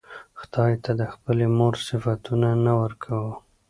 خداى ته د خپلې مور صفتونه نه ورکوو